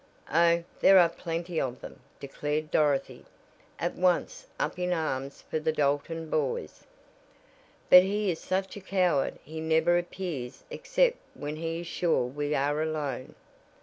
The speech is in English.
"Oh, there are plenty of them," declared Dorothy, at once up in arms for the Dalton boys. "But he is such a coward he never appears except when he is sure we are alone."